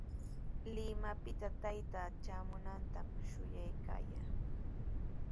Limapita taytaa traamunantami shuyaykaayaa.